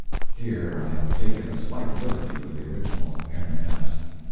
Here I have taken a slight liberty with the original MS.